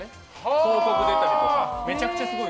広告出たりとか。